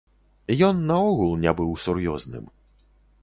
Ён наогул не быў сур'ёзным.